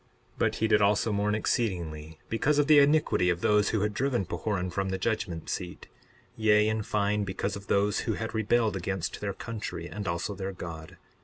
62:2 But he did also mourn exceedingly because of the iniquity of those who had driven Pahoran from the judgment seat, yea, in fine because of those who had rebelled against their country and also their God.